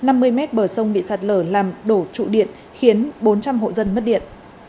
năm mươi m bờ sông bị sạt lở làm đổ trụ điện khiến bốn trăm linh hộ dân mất điện